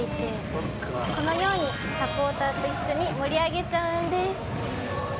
「このようにサポーターと一緒に盛り上げちゃうんです」